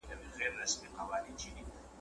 بیا به وینی چي رقیب وي له جنډۍ سره وتلی `